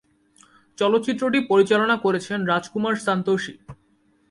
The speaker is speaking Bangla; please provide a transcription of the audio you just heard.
চলচ্চিত্রটি পরিচালনা করেছেন রাজকুমার সান্তোষি।